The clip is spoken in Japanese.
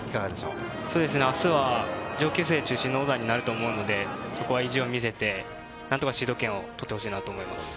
上級生中心のオーダーになると思うので、意地を見せてなんとかシード権を取ってほしいと思います。